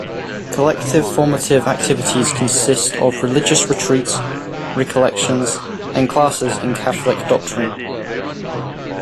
Collective formative activities consist of religious retreats, recollections, and classes in Catholic doctrine.